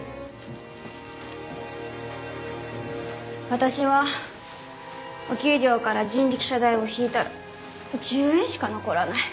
私はお給料から人力車代を引いたら１０円しか残らない。